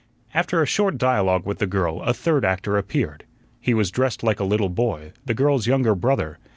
After a short dialogue with the girl, a third actor appeared. He was dressed like a little boy, the girl's younger brother.